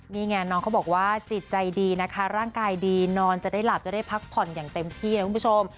นี่ไงน้องเขาบอกว่าจิตใจดีนะคะร่างกายดีนอนจะได้หลับจะได้พักผ่อนอย่างเต็มที่นะคุณผู้ชม